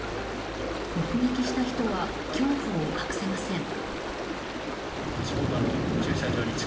目撃した人は恐怖を隠せません。